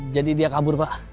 jadi dia kabur pak